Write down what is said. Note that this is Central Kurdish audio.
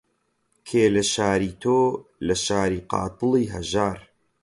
کێ لە شاری تۆ، لە شاری قاتڵی هەژار